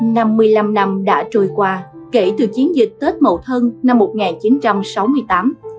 năm mươi năm năm đã trôi qua kể từ chiến dịch tết mậu thân năm một nghìn chín trăm sáu mươi tám